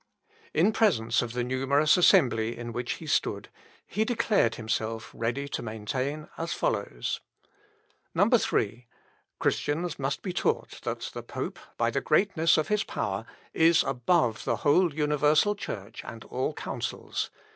In presence of the numerous assembly in which he stood, he declared himself ready to maintain as follows: 3. "Christians must be taught that the pope, by the greatness of his power, is above the whole universal Church and all councils.